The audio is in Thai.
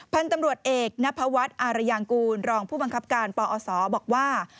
พันธุ์ตำรวจเอกนพวัฒน์อารยางกูลรองผู้บังคับการปอศบอกว่า